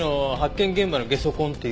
現場のゲソ痕っていうのは？